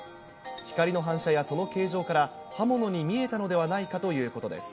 光の反射やその形状から、刃物に見えたのではないかということです。